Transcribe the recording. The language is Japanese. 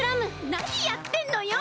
なにやってんのよ！